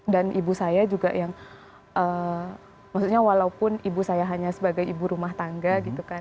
dan ibu saya juga yang maksudnya walaupun ibu saya hanya sebagai ibu rumah tangga gitu kan